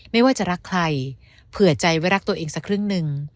ไม่ว่าจะรักใครเผื่อใจไว้รักตัวเองสักครึ่งหนึ่ง